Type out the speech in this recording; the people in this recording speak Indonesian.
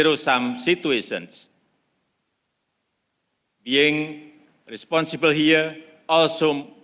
bukan situasi yang tidak berhubungan